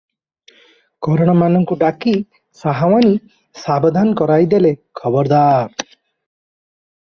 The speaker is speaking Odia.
କରଣମାନଙ୍କୁ ଡାକି ସାହୁଆଣୀ ସାବଧାନ କରାଇଦେଲେ, "ଖବରଦାର!